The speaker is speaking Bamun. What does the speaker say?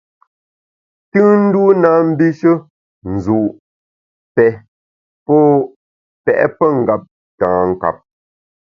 Tùnndû na mbishe nzu’, pè, pô pèt pengeptankap.